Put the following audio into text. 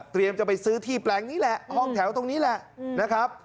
จะไปซื้อที่แปลงนี้แหละห้องแถวตรงนี้แหละนะครับ